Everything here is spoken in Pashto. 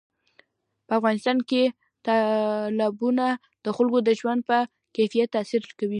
په افغانستان کې تالابونه د خلکو د ژوند په کیفیت تاثیر کوي.